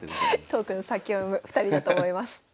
トークの先を読む２人だと思います。